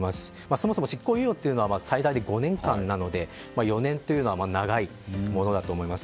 そもそも執行猶予は最大５年間なので４年というのは長いものだと思います。